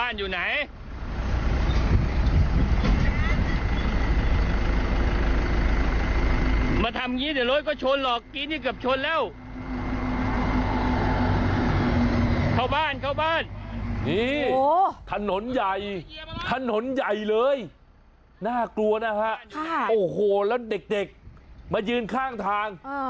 นี่ฐานนท์ใหญ่เลยน่ากลัวนะคะโอ้โหแล้วเด็กมายืนข้างทาง